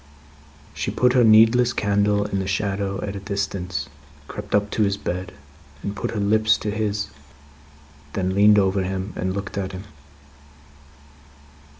She put her needless candle in the shadow at a distance, crept up to his bed, and put her lips to his; then, leaned over him, and looked at him.